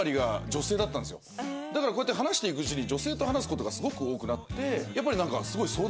だからこうやって話していくうちに女性と話す事がすごく多くなってやっぱりなんか。